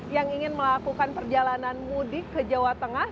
yang ingin melakukan perjalanan mudik ke jawa tengah